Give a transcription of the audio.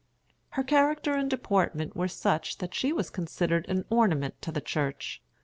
Her character and deportment were such that she was considered an ornament to the church.